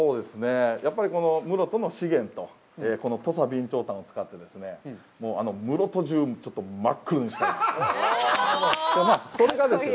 やっぱり室戸の資源と、この土佐備長炭を使って、もう室戸中、ちょっと真っ黒にしたいです。